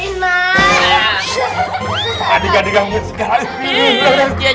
ini tak ada yang pergi